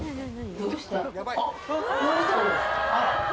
どうした？